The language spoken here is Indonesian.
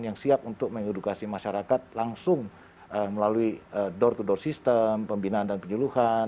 yang siap untuk mengedukasi masyarakat langsung melalui door to door system pembinaan dan penyeluhan